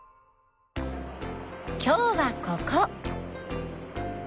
今日はここ。